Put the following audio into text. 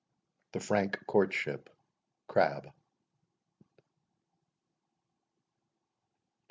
THE FRANK COURTSHIP.—CRABBE.